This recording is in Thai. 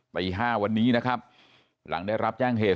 ตี๕วันนี้นะครับหลังได้รับแจ้งเหตุ